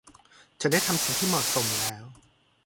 ฉันได้ทำสิ่งที่เหมาะสมแล้ว